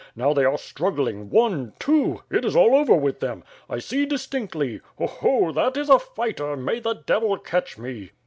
Now they are struggling, one, two, it is all over with them. I see distinctly. Ho, ho, that is a fighter, may the devil catch me!"